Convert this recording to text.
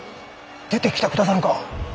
出てきてくださるか。